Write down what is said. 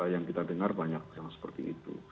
yang kita dengar banyak yang seperti itu